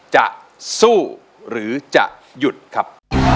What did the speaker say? จะสู้หรือจะหยุดครับ